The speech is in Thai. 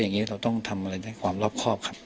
อย่างนี้เราต้องทำอะไรให้ความรอบครอบครับ